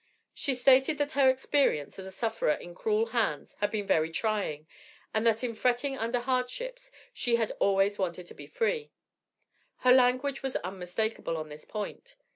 She stated that her experience as a sufferer in cruel hands had been very trying, and that in fretting under hardships, she had "always wanted to be free." Her language was unmistakable on this point.